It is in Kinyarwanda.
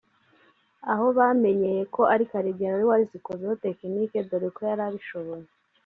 aho bamenyeye ko ari Karegeya wari wazikozeho technique dore ko yarabishoboye